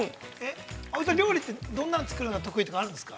◆葵さん、料理ってどんなん作るの得意とかあるんですか。